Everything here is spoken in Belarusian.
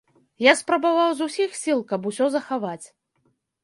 Я спрабаваў з усіх сіл, каб усё захаваць.